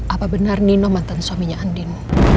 apa benar nino mantan suaminya andin